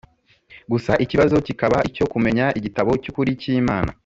gusa ikibazo kikaba icyo kumenya igitabo cy’ukuri cy’imana